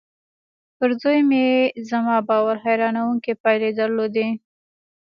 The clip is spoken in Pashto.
پر زوی مې زما باور حيرانوونکې پايلې درلودې.